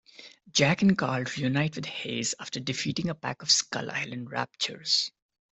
Jack and Carl reunite with Hayes after defeating a pack of Skull Island raptors.